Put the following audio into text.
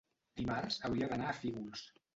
dimarts hauria d'anar a Fígols.